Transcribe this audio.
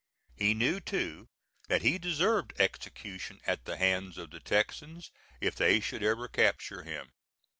He knew, too, that he deserved execution at the hands of the Texans, if they should ever capture him.